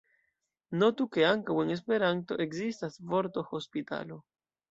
Notu, ke ankaŭ en Esperanto ekzistas vorto hospitalo.